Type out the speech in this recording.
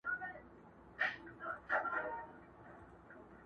د يوه يې سل لكۍ وې يو يې سر وو.!